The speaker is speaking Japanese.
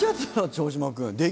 城島君。